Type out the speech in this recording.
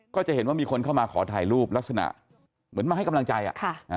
ก็จะเห็นว่ามีคนเข้ามาขอถ่ายรูปลักษณะเหมือนมาให้กำลังใจอ่ะค่ะอ่า